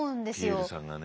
ピエールさんがね。